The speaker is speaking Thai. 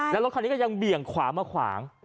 แล้วรถคันนี้ก็ยังเบี่ยงขวามาขวาง